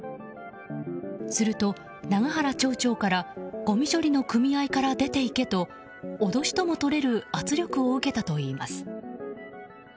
すると、永原町長からごみ処理の組合から出て行けと脅しともとれる圧力を受けたといいます。